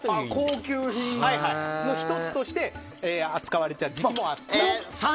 高級品の１つとして扱われた時期もあった。